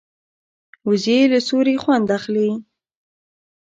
وزې له سیوري نه خوند اخلي